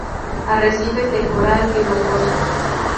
Arrecifes de coral y rocosos.